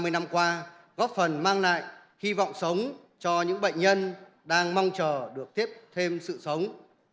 ba mươi năm qua góp phần mang lại hy vọng sống cho những bệnh nhân đang mong chờ được tiếp thêm sự sống